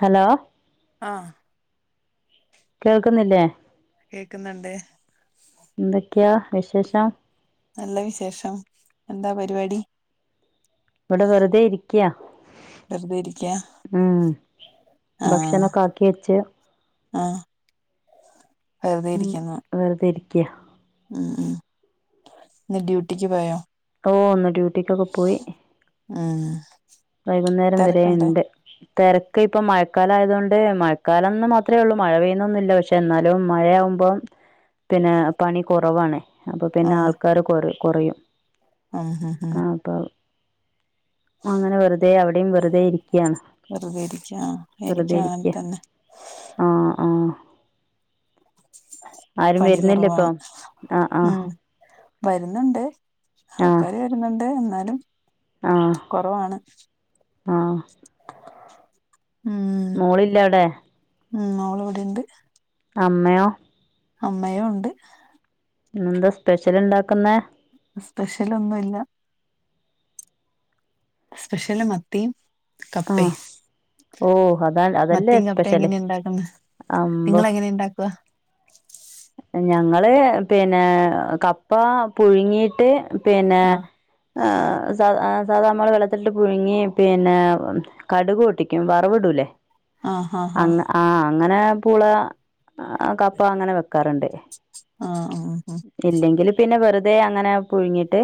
Hello ആഹ് കേൾക്കുന്നില്ലേ കേക്ന്നുണ്ട് ക്യാ വിശേഷം നല്ല വിശേഷം എന്താ പരിപാടി ക്യാ വെറുതെ ഇരിക്ക ഉം ആഹ് ഭക്ഷണൊക്കെ ആക്കി വെച്ച് ആഹ് വെറുതെ ഇരിക്കുന്നു ക്യ ഉം ഉം ഇന്ന് ഡ്യൂട്ടിക്ക് പോയോ ഓ ഒന്ന് ഡ്യൂട്ടിക്ക്ക്കെ പോയി ഉം വൈകുന്നേരം വരെ തിരക്കുണ്ടോ ഇണ്ട് തിരക്ക് ഇപ്പം മഴക്കാലയത കൊണ്ട് മഴക്കാലന്ന് മാത്രമേ ഉള്ളൂ മഴ പെയ്യുന്നൊന്നില്ല പക്ഷെ എന്നാലും മഴയാകുമ ്പ പിന്നെ പണി കുറവാാണ് അപ്പൊ പിന്നെ ആൾക്കാാര് കൊറ കുറയും ആഹ ഹ ഹം അപ്പൊ അങ്ങനെ വെറുതെ അവിടെയും വെറുതെ ഇരിക്കയാണ് വെറുതെ ഇരിക്ക ആഹ് വെറുതെ എനിക്കും അങ്ങനെ ഇരിക്ക തന്നെ ആഹ ആഹ [unintelligible] ആരും പണി വരുന്നില്ല ഇപ്പൊ കുറവാണ് ആ ആ ഉം വരുന്നുണ്ട് ആ ആൾക്കാാര് വരുന്നുണ്ട് എന്നാലും കുറവാണ് ആഹ [unintelligible] മോളില്ല അവിടെ ഉം അവോ അടെ ഉണ്ട് അമ്മയോ അമ്മയോ ഉണ്ട് എന്താ സ്പെഷ്യൽ ഇണ്ടാക്കുന്ന സ്പെഷ്യൽ ഒന്നുംല്ല സ്പെഷ്യല് മത്തിയും ആ കപ്പേ ഓ അതാ അതല്ലേ മത്തി കപ്പ സ്പെഷ്യല് എങ്ങനെയ ഇണ്ടാക്കുന്ന അമ്പോ നിങ്ങ എങ്ങനെ ഇണ്ടാക്കുവ [unintelligible] ഞങ്ങള് പിന്നെ കപ്പ പുഴുങ്ങിട്ട് പിന്നെ ആഹ് ആ് സ സാദാമ വെള്ളത്തിലട്ട് പങ്ങി പിന്നെ കടക് ട്ടിക്കും വറവിടൂലേ ആഹ് ആഹ് അങ്ങ ആഹ് ആ അങ്ങനെ പുള കപ്പ അങ്ങനെ വെക്കാറുണ്ട് ആഹ ആഹ ആഹ ഇല്ലെങ്കിൽ പിന്നെ വെറുതെ അങ്ങനെ പുഴുങ്ങിട്ട്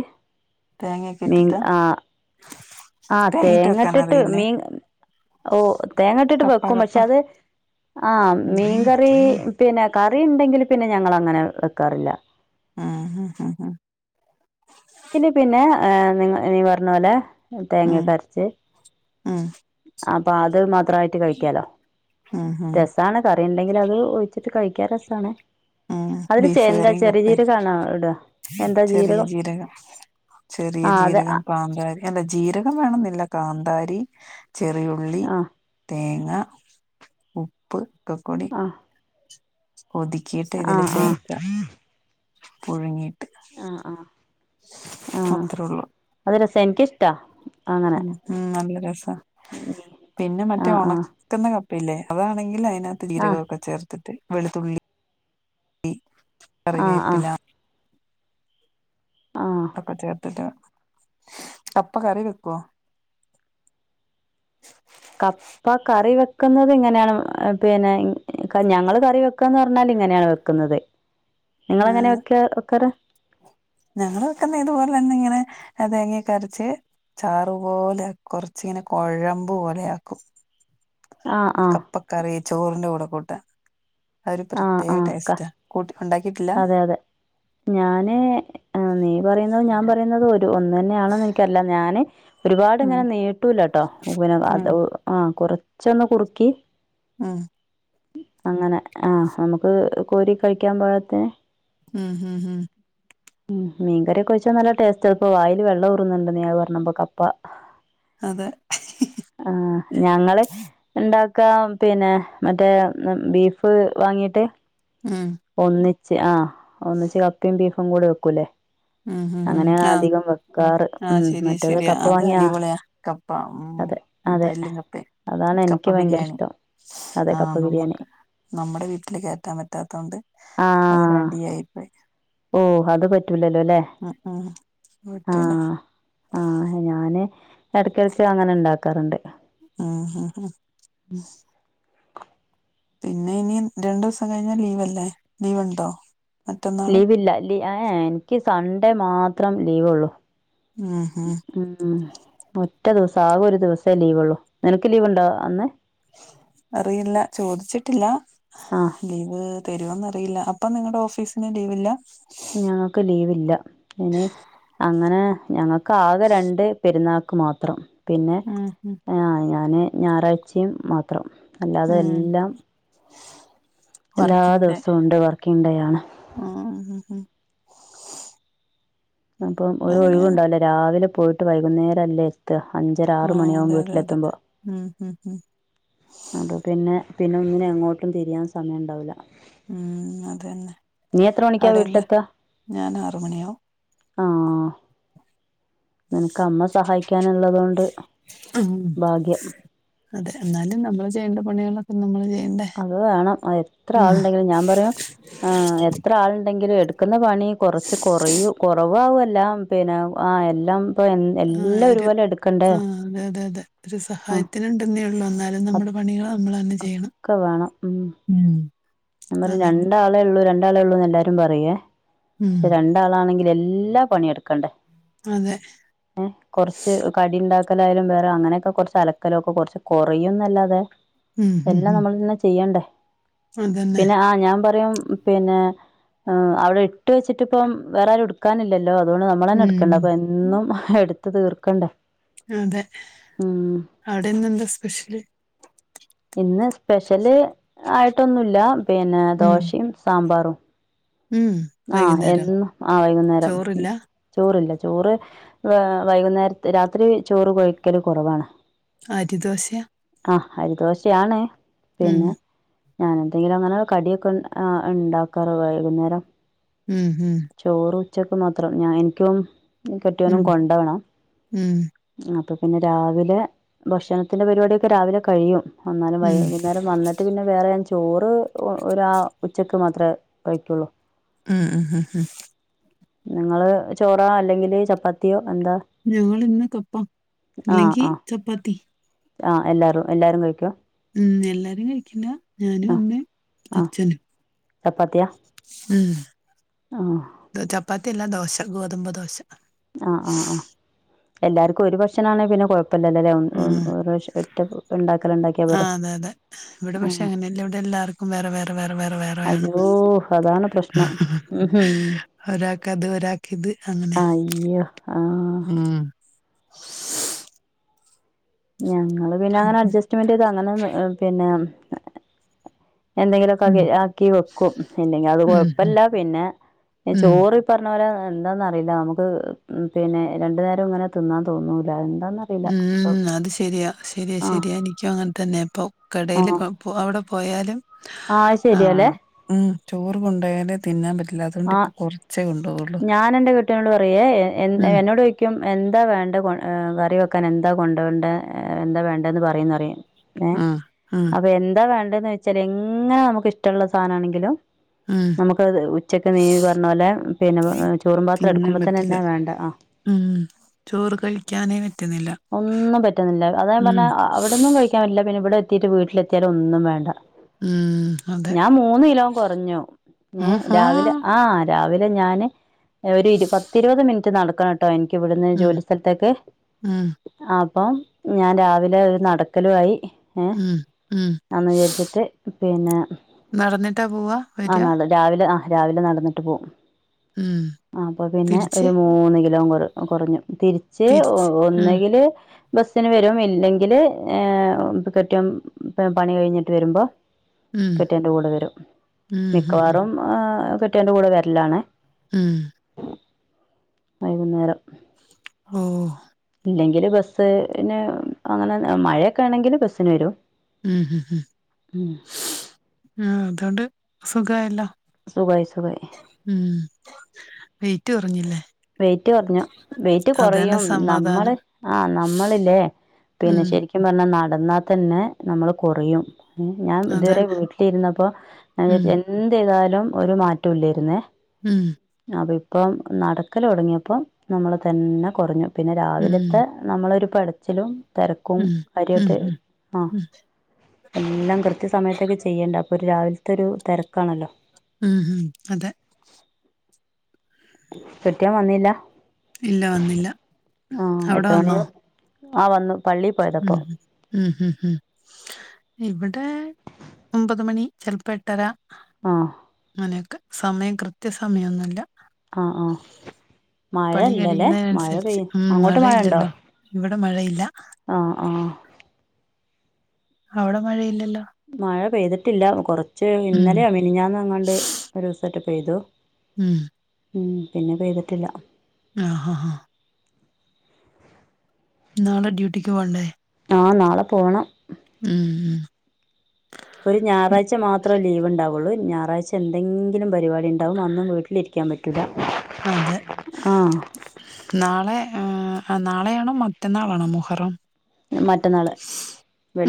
തേങ്ങയൊക്കെ ഇട്ടിട്ട് ആഹ തേങ്ങട്ടിട്ട് മീൻ ഓ തേങ്ങ ഇട്ടിട്ട് കപ്പ വെക്കും കപ്പ പക്ഷെ അത് ആഹ ഉം മീൻകറി പിന്നെ കറി ഉണ്ടെങ്കിൽ പിന്നെ ഞങ്ങ അങ്ങനെ വെക്കാറില്ല ആഹ ഹ ഹ ന് പിന്നെ നിങ്ങ നീ പറഞ്ഞ പോലെ ഉം തേങ്ങക്കെരച്ച് ഉം അപ്പൊ അത് മാത്രമായിട്ട് കഴിക്കാലോ ഉം ഉം രസമാണ് ക അുണ്ടെങ്കിൽ അത് ഒഴിച്ചിട്ട് കഴിക്കാ രസമാണ് ഉം ബീഫ് കറിയും കപ്പയും ഇടുക ചെറിയ ജീരകം ചെറിയ ആ അത് ആ ജീരകം കാന്താരി അല്ല ജീരകം വേണംന്നില്ല കാന്ത കന്താരി ചെറിയുള്ളി ആ തേങ്ങ ഉപ്പ് ക്കക്കോണ [unintelligible] ആ ഒതുക്കിയിട്ട് ആ ഇതില് ആ ചേർക്ക ആ പുഴുങ്ങിട്ട് ആഹ ആഹ ആഹ അത്രേ അത് രസം എനക്ക് ഇഷ്ടാ ഉ ഉ നല്ല രസ പിന്നെ ആ മറ്റേ ആ ഉണക്കുന്നപ്പ ന്നെ അതാണെങ്കിൽ അതിനകത്ത് ആഹ് ജീരകമൊക്കെ ചേർത്തിട്ട് വെളുത്തുള്ളി ആഹ് ആഹ് കറിവേപ്പില ആഹ് ഒക്കെ ചേർത്തട്ട കപ്പ കറി വെക്കുവ കപ്പ കറി വെക്കുന്നത് ഇങ്ങനെയാണ് പിന്നെ ഞങ്ങള്ൾ കറി വെക്കന്ന് പറഞ്ഞാല് എങ്ങനെയ വെക്കുന്നത് നിങ്ങങ്ങനെ ആഹ് വെക്ക വെക്കറ് ഞങ്ങള് വെക്കുന്ന ഇതുപോലെ തന്നെ ഇങ്ങനെ തേങ്ങി കരച്ച് ചാറുപോലെ കുറച്ച് ചച്ചിങ്ങനെ കുഴമ്പ് പോലെ ആക്കും ആഹ് ആഹ് കപ്പക്കറി ചോറിന്റെ കൂടെ കൂട്ട ആഒരു ആഹ് പ്രത്യേക ആഹ് ക ടേസ്റ്റ് കൂട്ട് ഉണ്ടാക്കിട്ടില്ല അതെ അതെ ഞാന് ആഹ് നീ പറയുന്നതു ഞാൻ പറയുന്നുന്നതു ഒരു ഒന്ന് തന്നെആണെന്ന് എനിക്കറില്ല ഞാന് ഒരുപാട് ഉം ഇങ്ങനെ നീട്ടൂലെട്ടോ ആഹ് ആപ്പാ പിന്നെ ഉം അടവ് ആഹ് കുറച്ചൊന്ന് കുറുക്കി ഉം അങ്ങനെ ആഹ് നമുക്ക് കോരി കഴിക്കാൻ പകത്തിന് മു മു മു ഉം മീൻകറികൊഴിച്ചാൽ നല്ല ടേസ്റ്റ് ഇപ്പോ വയില് വെള്ളം ഊറുന്നുണ്ട് നീ പറഞ്ഞ്പൊ കപ്പ അതെ ആഹ് ഞങ്ങള് ഉണ്ട ക്കാം പിന്നെ മറ്റേ ബീഫ് വാങ്ങീട്ട് ഉം ഒന്നി ആഹ് ഒന്നച്ച് കപ്പും ബീഫും കൂടെ വെക്കലൂ ഉം ഉം ഉം അങ്ങനെയാണ് ആഹ് അധികം വെക്കാറ് ഉം ആഹ് ശരിയാ മറ്റേത് ശരിയാ കപ്പ അത് വാങ്ങിയാ അടിപൊളിയ കപ്പ ഉം അതെ അതെ എല്ലും കപ്പേ അതാണ് കപ്പ എനിക്ക് ഭയങ്കര ബിരിയാണി ഇഷ്ടം അതെ ആഹ് കപ്പ ബിരിയാണി നമ്മക്ക് നമ്മുടെ വീട്ടില് കയറ്റാൻ പറ്റാത്ത കൊണ്ട് അതൊര ആഹ് അടിയായിപ്പോയി ഓഹ് അത് പറ്റൂലല്ലോ ഉം പറ്റൂല ആഹ് ആഹ് ഞാന് എടെക്ക് എടെക്ക് അങ്ങ ഉണ്ടാക്കാറുണ്ട് ആഹ് ഹാ ഹാ പിന്നെ ഇനി രണ്ടു ദിവസം കഴിഞ്ഞാ ലീവ് അല്ലേ ലീവ് ഉണ്ടോ ലീവില്ല ലി ഏ ഏ. ഇൻക്ക് സൺഡേ മാത്രം ലീവ് ഒള്ളൂ ഉം ഉം ഉം ഒ റ്റ ദിവസം ആകെ ഒരു ദിവസേ ലീവ് ഒള്ളൂ നിനക്ക് ലീവ് ഉണ്ടോ അന്ന് അറിയില്ല ചോദിച്ചിട്ടില്ല ആഹ് ലീവ് തരോ എന്നറില്ല അപ്പം നിങ്ങളുടെ ഓഫീസിന് ലീവില്ല ഞങ്ങൾക്ക് ലീവ് ഇല്ല ഇനി അങ്ങനെ ഞങ്ങൾക്ക് ആകെ രണ്ട് പെരുന്നാക്ക് മാത്രം പിന്നെ ഉം ഉം ആഹ് ഞാന് ഞായറാഴ്ചയും മാത്രം അല്ലാതെ ഉം എല്ലം എല്ലാ വർക്കിംഗ് ഡേ ദിവസവും ഉണ്ട് വർക്കിങ് ഡെയാണ് ഉം ഉം ഉം അപ്പം ഇപ്പ ഒരു അങ്ങനെയാണ് ഒഴിവുണ്ടാവൂല്ല രാവിലെ പോയിട്ട് വൈകുന്നേരം അല്ലേ എത്ത അഞ്ചര ആറ് ആ മണിയാകും അതെ അതെ അതെ വീട്ടിലെത്തുമ്പോ ഉം ഉം ഉം അപ്പ പിന്നെ പിന്നെ ഒന്നിനും എങ്ങോട്ടും തിരിയാൻ സമയം ഉണ്ടാവൂല ഉം അതന്നെ എത്ര മണിക്കാ അവിടെ എന്താ വീട്ടിലെത്തുക ഞാൻ ആറ് മണിയാവും ആഹ് നിനക്ക് അമ്മ സഹായിക്കാൻ ഉള്ളതൊണ്ട് ഉം അതെ എന്നാലും നമ്മൾ ചെയ്യേണ്ട പണികളൊക്കെ നമ്മൾ ചെ അത് വേണം അത് എത്ര ആളുണ്ടെങ്കിലും ഞാൻ പറയ ആ എത്ര ആളുണ്ടെങ്കിലും എ ന്ന്പണി കൊറച്ച് കൊറയു കൊറവാവല്ല പിന്നെ ആ എല്ലം മ്മ് ആ, എല്ല ഒരു ഒരുപോലെ എടു ആ അതെതെതെ ഒരു സഹായത്തിന് ണ്ടെന്നേ ഒള്ളൂ എന്നാലും നമ്മുടെ പണികള് നമ്മള് തന്നെ ചെയ്യണം അഹ് വേണം ഉം ഞാൻ പറി അതാണ് രണ്ടാളെ ഒള്ളൂ രണ്ടാളെ ഒള്ളൂന്ന് എല്ലാരും പറയേ ഉം ക്ഷെ രണ്ടാളാണെങ്കിൽ എല് ല്ലാ പണിയെട്ക്കണ്ടേ അതെ എ കൊറച്ച് കടിണ്ടാ ക്കലായാലും വേറെ അങ്ങനെയൊക്കെ കൊറച്ച് അലക്കലൊക്കെ കൊറച്ച് കൊറയുംന്നല്ലാതെ ഉം ഉം എല്ലാം ഉം നമ്മൾ തന്നെ ചെയ്യണ്ടേ അതന്നെ പിന്നെ ആ ഞാൻ പറയും പിന്നെ ഹ് അവിടെ ഇട്ട് വെച്ചിട്ടിപ്പം വേറാരും ഇട്ക്കാനില്ല ല്ലോ അതുകൊണ്ട് നമ്മളന്നെ എടുക്കണ്ടെ ഉം അപ്പെന്നും എടുത്ത തീർക്കണ്ടേ അതെ ഉം അവിടെന്നന്താ സ്പെഷ്യല് ഇന്ന് സ്പെഷ്യല് ആയിട്ടൊന്നൂല്ല പിന്നെ ഉം ദോശിം സാമ്പാറും ഉം ആ വൈകുന്നേരം എന്നും ആ വൈകുന്നേരം ചോറില്ല ചോറില്ല ചോറ് വൈകുന്നേരത്ത് രാത്രി ചോറ് കഴിക്കല് കുറവാണ് അരി ദോശയാ ആ അരിദോശയാണ് പിന്നെ ഞാൻ എന്തെങ്കിലും അങ്ങന കടിയൊക്കെ ഉണ്ടാക്കാറ് വൈകുന്നേരം ഉം ഹും ചോറ് ഉച്ചക്ക് മാത്രം ഞാൻ എനിക്കും കെട്ടിയോനും ഉം കൊണ്ടോണം ഉം അപ്പൊ പിന്നെ രാവിലെ ഭക്ഷണത്തിന്റെ പരിപാടിയൊക്കെ രാവിലെ കഴിയും വന്നാലും ഉം വൈകുന്നേരം വന്നിട്ട് പിന്നെ വേറെ ഞാൻ ചോറ് ഒരാ ഉച്ചക്ക് മാത്രേ കഴിക്കുള്ളൂ ഉം ഉം ഹു ഹും നിങ്ങള് ചോറൊ അല്ലെങ്കില് ചപ്പാത്തിയോ എന്താ ഞങ്ങള് ഇന്ന് കപ്പ ആ അല്ലെങ്കി ആ ചപ്പാത്തി ആ എല്ലാവാരും എല്ലാരും കഴിക്കോ ഉം എല്ലാരും കഴിക്കില്ല ഞാനും ആ അമ്മേം ആ അഛനും ചപ്പാത്തിയാ ആ ത ചപ്പത്തി അല്ലാ ദോശ ഗോതമ്പ് ദോശ ആ ആ ആ എല്ലാർക്കും ഒരു ഭക്ഷണാണെ പിന്നെ കൊഴ പ്പല്ല ലേ ഒ ഒ ആ ഒറാശ്യ ഒറ്റ ഉണ്ടാക്കല് ഉണ്ടാക്കിയാ പോരെ ആഹ് അതെ അതെ ഇവിടെ പക്ഷെ ആഹ് അങ്ങനെയല്ല ഇവിടെ എല്ലാവർക്കും വേറെ വേറെ വേറെ വേറെ വേറെ വേണം അയ്യോ അതാണ് പ്രശ്നം ഉ ഹും ഒരാക്കത് ഒരാക്കിത് അങ്ങനെ ആ ഉം ഞങ്ങള് പിന്നങ്ങനെ അഡ്ജസ്റ്റ്മെൻറ് ചെയ്തു അങ്ങനെ പിന്നെ എന്തെങ്കിലൊക്കെ ഉം ആക്കി ആക്കി വെക്കും ഇല്ലെങ്കി അത് ഉം ഉം കൊഴപ്പില്ല പിന്നെ ചോറി പറഞ്ഞ പോലെ എന്താന്ന് അറിയില്ല നമ്മുക്ക് പിന്നെ രണ്ടു നേരം ഇങ്ങനെ തിന്നാൻ തോന്നൂല്ല ഉം അത് ശെരിയാ ശെരിയാ ആഹ് ശെരിയാ എനിക്കും അങ്ങനെ തന്നാ ഇപ്പോ കടെല് ആഹ് പ്പോ അവടെ പോയാലും ആഹ് ആ ശരിയാല്ലേ ഉം ചോറ് കൊണ്ടായാലേ തിന്നാൻ പറ്റില്ല അതുകൊണ്ട് ആഹ് ഇപ്പൊ കൊറച്ചെ കൊണ്ട് ഞാൻ എന്റെ കെട്ട്യോനോട് പറയേ ഉം എന്നോടൊയ്ക്കും എന്താ വേണ്ടേ കൊ കറിവെക് ക്കാൻ എന്താ കൊണ്ടരണ്ടെ എന്താ വേണ്ടേന്ന് പറയ്ന്ന് പറയും ഏ ആഹ് ഉം അപ്പൊ എന്താ വേണ്ടേ ന്ന് വെച്ചാല് എങ്ങനെ നമ്മുക്ക്ഷ്ടള്ള സാനാണെങ്കിലും ഉം നമ്മുക്കത് ഉച്ചക്ക് നീ പറഞ്ഞ പോലെ പിന്നെ ചോറും പാത്രം തിന്നാൻ എടുക്കുമ്പോ പറ്റില്ല തന്നെന്നെ വേണ്ട ആ ഉം ചോറ് കഴിക്കാനേ പറ്റുന്നില്ല ഒന്നും പറ്റുന്നില്ല അതാ ഞാൻ ഉം പറഞ്ഞെ അവിടന്നും കഴിക്കാൻ പറ്റില്ല ഇവടെത്തീട്ട് വീട്ടിലെത്തിയാലും ഒന്നും വേണ്ട ഉം അതെ ഞാൻ മൂന്ന് കിലോം കൊറഞ്ഞു എ ആഹാ രാവിലെ ആ രാവിലെ ഞാന് ഒരു ഇരുപത് പത്തിരുപത് മിനിറ്റ് നടക്കണട്ടോ എനി ഇവിടുന്ന് ഉം ജോലി സ്ഥലത്തേക്ക് ഉം ആ പ്പോ ഞാൻ രാവിലെ ഒരു നടക്കലും ആയി ഏ ഉം ഉം എന്ന് വിചാരിച്ചിട്ട് പിന്നെ നടന്നിട്ടാ പൂവാ ആ വര നട രാവിലെ ആ രാവിലെ നടന്നിട്ട് പോവും ഉം അപ്പോ പിന്നെ തിരിച്ച് ഒരു മൂന്ന് കിലോൻ കൊറ കൊറഞ്ഞു തിരിച്ച് ഒ ഒന്നെങ്കില് ബസ്സിന് വരും ഇല്ലെങ്കില് ഏഹ് കെട്ട്യോൻ പണി കഴിഞ്ഞിട്ട് വരുമ്പോ ഉം കെട്ട്യോന്റെ കൂടെ വരും ഉം ഹ് ഹ് മിക്കവാറും ആ കെട്ട്യോന്റെ കൂടെ വരലാണ് ഉം വൈകുന്നേരം ഓ ഇല്ലെങ്കില് ബസ്ന് അങ്ങനെ മഴയൊക്കെ ആണെങ്കില് ബസ്സിന് വരും ഉം ഉം ഉം ഉ അതോണ്ട് സുഖായല്ലോ സുഖായി സുഖായി വെയ്റ്റ് കൊറഞ്ഞില്ലേ വെയ്റ്റ് കൊറഞ്ഞു വെയ്റ്റ് കൊറയും നമ്മള് സമാധാനം ആ നമ്മളില്ലേ പിന്നെ ഉം ശെരിക്കും പറഞ്ഞാ നടന്നാ തന്നെ നമ്മള് കൊറയും ഏ ഞാൻ അതെ തുവരെ വീട്ടിലിരുന്നപ്പോ ഞ ഉം വിചാരിച്ചു എന്ത് ചെയ്താലും ഒരു മാറ്റവുമില്ലായിരുന്നേ ഉം അപ്പോ ഇപ്പം നടക്കല് തൊടങ്ങിയപ്പം നമ്മള് തന്നെ കൊറഞ്ഞു പിന്നെ ഉം രാവിലത്തെ നമ്മളൊരു പെടച്ചിലും തെരക്കും ഉം ഉം കാര്യായിട്ട് ഹ് ആ ഉം എല്ലാം കൃത്യ സമയത്തൊക്കെ ചെയ്യണ്ടാവും ഒരു രാവിലതൊരു തെരക്കാണല്ലോ ഉം ഹും അതെ കെട്ട്യോൻ വന്നില്ല? ഇല്ല വന്നില്ല. ആഹ് അവ്ടെ എത്ര വന്നോ? മണിയാവും ആഹ് വന്നു പള്ളി പോയതാ ഉം ഇപ്പൊ ഉം ഉം ഉം ഇവെടെ ഒമ്പെത് മണി ചെൽപ്പം എട്ടെര ആഹ് അങ്ങനെ ഒക്കെ സമയം കൃത്യ സമയൊന്നുല്ല ആഹ് ആഹ് മഴ പണി ഇല്ലല്ലെ? മഴ കഴിയുന്നതിനനുസരിച്ച് പെയ്യ് അങ്ങോട്ട് മഴ ഇണ്ടോ? ഇവെടെ മഴയില്ല ആഹ് ആഹ് അയുടെ മഴയില്ലല്ലോ? മഴ പെയ്ത്ട്ട് ഇല്ല കൊറച്ച് ഉം ഇന്നലെയോ മിനിഞ്ഞാന്നോ എങ്ങാണ്ട് ഒരുസെറ്റെ പെയ്തു ഉം ഉം പിന്നെ പെയ്തിട്ടില്ല ആഹ് ഹ ഹാ നാളെ ഡ്യൂട്ടിക്ക് പോണ്ടേ? ആഹ് നാളെ പോണം ഉം ഉം ഒര് ഉം, ഞായറാഴ്ച മാത്രം ലീവ് ഇണ്ടാവൊള്ളു ഞായറാഴ്ച എന്തെങ്കിലും പരിപാടി ഇണ്ടാവും അന്നും വീട്ട്ലിരിക്കാൻ പറ്റുലാ അതെ നാളെ ആഹ് നാളെയാണോ മറ്റന്നാളാണോ മുഹെറം? എഹ് മറ്റന്നാള്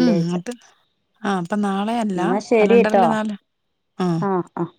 ഉം ന്നെട്ട് ആഹ് അപ്പം നാളെയല്ല എന്നാ കലണ്ടെറിൽ ശരിട്ടോ നാളെ ആഹ് ആഹ്